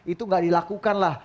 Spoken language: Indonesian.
itu gak dilakukan lah